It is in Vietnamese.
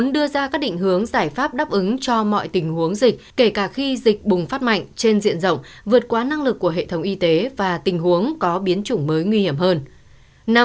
đưa ra các định hướng giải pháp đáp ứng cho mọi tình huống dịch kể cả khi dịch bùng phát mạnh trên diện rộng vượt quá năng lực của hệ thống y tế và tình huống có biến chủng mới nguy hiểm hơn